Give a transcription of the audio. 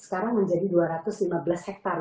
sekarang menjadi dua ratus lima belas hektare